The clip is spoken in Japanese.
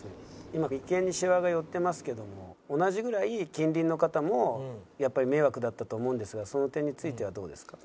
「今眉間にしわが寄ってますけども同じぐらい近隣の方もやっぱり迷惑だったと思うんですがその点についてはどうですか？」。